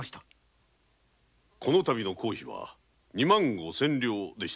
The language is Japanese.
この度の工費は二万五千両でしたな。